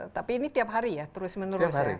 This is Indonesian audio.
tapi ini tiap hari ya terus menerus ya